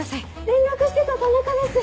連絡してた田中です。